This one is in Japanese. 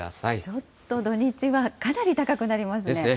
ちょっと土日はかなり高くなりますね。